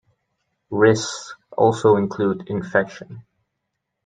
Risks also include infection.